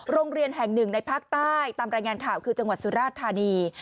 โรงเรียนแห่งหนึ่งในภาคใต้ตามรายงานข่าวคือจังหวัดสุราชธานี